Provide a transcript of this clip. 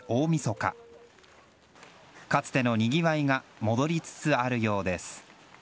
かつてのにぎわいが戻りつつあるようです。